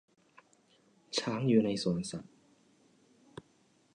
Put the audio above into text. ช้างอยู่ในสวนสัตว์